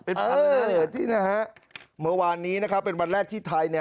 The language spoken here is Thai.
เป็นภาพเหลือที่นะฮะเมื่อวานนี้นะครับเป็นวันแรกที่ไทยเนี่ย